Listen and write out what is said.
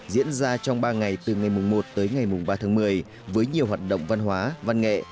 diễn ra trong ba ngày từ ngày một tới ngày ba tháng một mươi với nhiều hoạt động văn hóa văn nghệ